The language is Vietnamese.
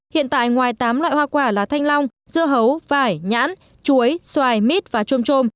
hiện tại ngoài tám loại hoa quả là thanh long dưa hấu vải nhãn chuối xoài mít và trôm trôm